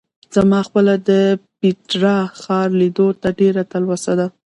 زما خپله د پېټرا ښار لیدلو ته ډېره تلوسه وه.